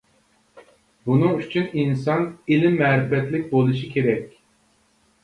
بۇنىڭ ئۈچۈن ئىنسان ئىلىم-مەرىپەتلىك بولۇشى كېرەك.